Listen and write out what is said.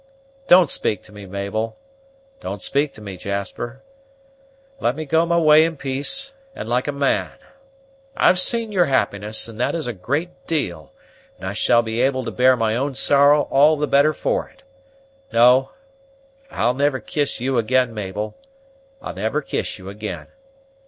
Don't speak to me, Mabel, don't speak to me, Jasper, let me go my way in peace, and like a man. I've seen your happiness, and that is a great deal, and I shall be able to bear my own sorrow all the better for it. No, I'll never kiss you ag'in, Mabel, I'll never kiss you ag'in.